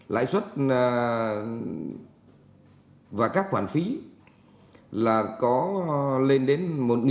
lãi suất và các khoản phí là có lên đến một chín trăm bảy mươi